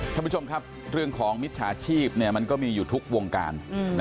ท่านผู้ชมครับเรื่องของมิจฉาชีพมันก็มีอยู่ทุกวงการ